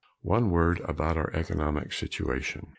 One word about our economic situation.